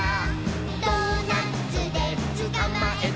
「ドーナツでつかまえた！」